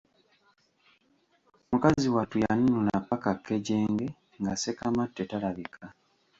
Mukazi wattu yatunula ppaka kkejenje nga Ssekamatte talabika.